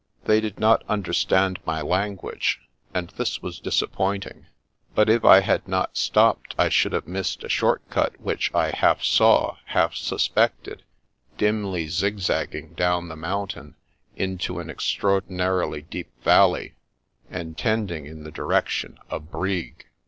They did not understand my lan guage, and this was disappointing; but if I had not stopped I should have missed a short cut which I half saw, half suspected, dimly zigzagging down the mountain into an extraordinarily deep valley, and tending in the direction of Brig.